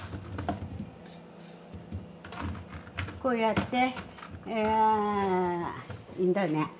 こうやってんだね。